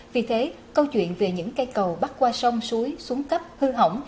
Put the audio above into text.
vì thế câu chuyện về những cây cầu bắt qua sông suối xuống cấp hư hỏng